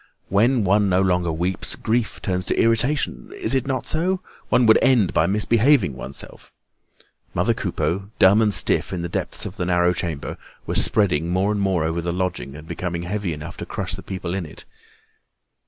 When one no longer weeps, grief turns to irritation; is it not so? One would end by misbehaving oneself. Mother Coupeau, dumb and stiff in the depths of the narrow chamber, was spreading more and more over the lodging and becoming heavy enough to crush the people in it.